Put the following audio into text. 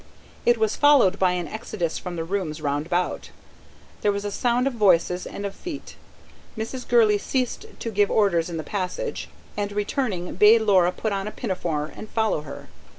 It was followed by an exodus from the rooms round about; there was a sound of voices and of feet. Mrs. Gurley ceased to give orders in the passage, and returning, bade Laura put on a pinafore and follow her.